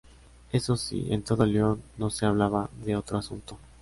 Eso sí, en todo León no se hablaba de otro asunto.